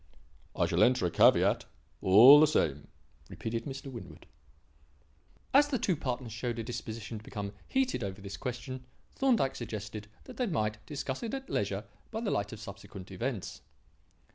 "I shall enter a caveat, all the same," repeated Mr. Winwood. As the two partners showed a disposition to become heated over this question, Thorndyke suggested that they might discuss it at leisure by the light of subsequent events.